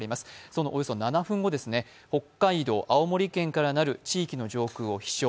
そのおよそ７分後、北海道、青森県からなる地域の上空を飛翔。